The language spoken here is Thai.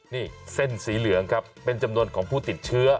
นี่เส้นสีเหลืองครับเป็นจำนวนของผู้ติดเชื้อ